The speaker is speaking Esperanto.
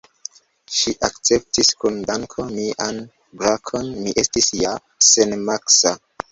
Ŝi akceptis kun danko mian brakon: mi estis ja senmaska.